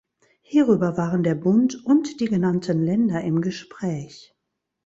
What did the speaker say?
Hierüber waren der Bund und die genannten Länder im Gespräch.